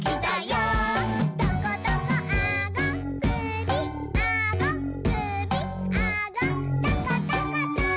「トコトコあごくびあごくびあごトコトコト」